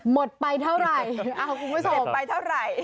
หมดไปเท่าไร